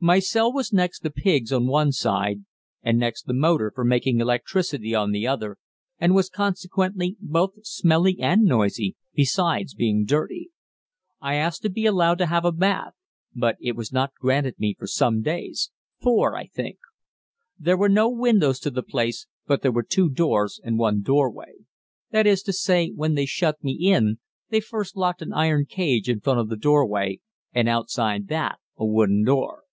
My cell was next the pigs on one side and next the motor for making electricity on the other, and was consequently both smelly and noisy, besides being dirty. I asked to be allowed to have a bath, but it was not granted me for some days four, I think. There were no windows to the place, but there were two doors and one doorway; that is to say, when they shut me in, they first locked an iron cage in front of the doorway, and outside that a wooden door.